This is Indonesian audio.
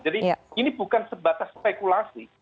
jadi ini bukan sebatas spekulasi